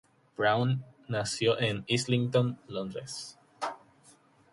Browne nació en Islington, Londres.